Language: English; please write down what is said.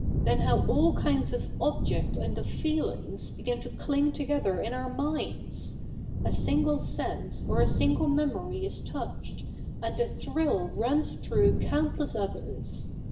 Then how all kinds of objects CH. ii] THE NEW REPUBLIC 139 and of feelings begin to cling together in our minds ! A single sense or a single memory is touched, and a thrill runs through countless others.